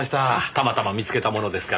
たまたま見つけたものですから。